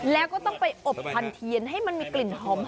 แล้วก็ต้องไปอบพันเทียนให้มันมีกลิ่นหอม